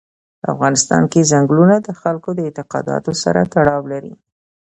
په افغانستان کې ځنګلونه د خلکو د اعتقاداتو سره تړاو لري.